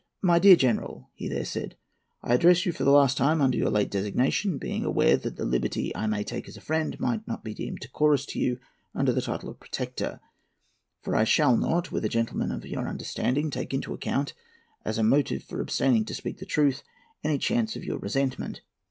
"My dear General," he there said, "I address you for the last time under your late designation, being aware that the liberty I may take as a friend might not be deemed decorous to you under the title of Protector, for I shall not, with a gentleman of your understanding, take into account, as a motive for abstaining to speak truth, any chance of your resentment.